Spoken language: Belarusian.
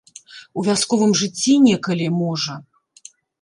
У вясковым жыцці некалі, можа?